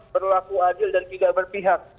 berlaku adil dan tidak berpihak